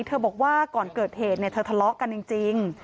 บอกว่าก่อนเกิดเหตุเธอทะเลาะกันจริง